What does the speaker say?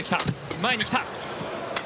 前に来た。